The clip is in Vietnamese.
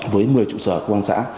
với một mươi trụ sở công an xã